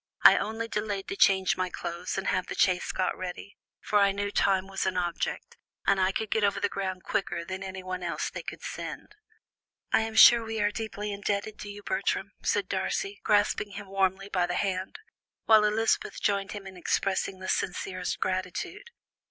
I only delayed to change my clothes and have the chaise got ready, for I knew time was an object, and I could get over the ground quicker than anyone else they could send." "I am sure we are deeply indebted to you, Bertram," said Darcy, grasping him warmly by the hand, while Elizabeth joined him in expressing the sincerest gratitude.